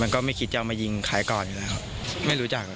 ก็ไม่คิดจะเอามายิงใครก่อนอยู่แล้วครับไม่รู้จัก